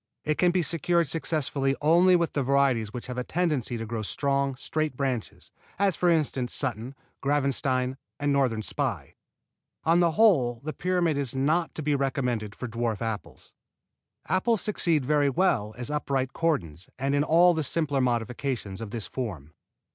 It can be secured successfully only with the varieties which have a tendency to grow strong, straight branches, as for instance Sutton, Gravenstein and Northern Spy. On the whole the pyramid is not to be recommended for dwarf apples. Apples succeed very well as upright cordons and in all the simpler modifications of this form.